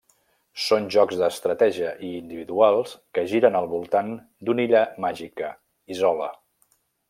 Són jocs d'estratègia i individuals que giren al voltant d'una illa màgica, Isola.